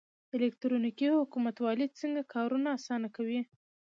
الکترونیکي حکومتولي څنګه کارونه اسانه کوي؟